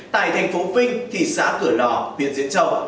tại thành phố vinh thị xã cửa lò huyện diễn châu